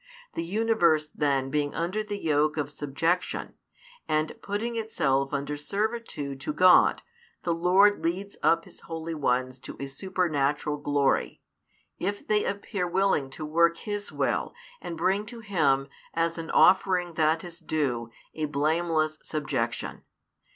The universe then being under the yoke of subjection, and putting itself under servitude to God, the Lord leads up His holy ones to a supernatural glory, if they appear willing to work His Will and bring to Him, as an offering that is due, a blameless subjection.